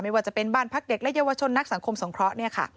ว่าจะเป็นบ้านพักเด็กและเยาวชนนักสังคมสงเคราะห์